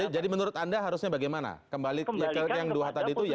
jadi menurut anda harusnya bagaimana kembalikan ke yang dua tadi itu yaitu